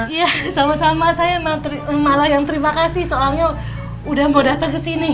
iya sama sama saya malah yang terima kasih soalnya udah mau dateng kesini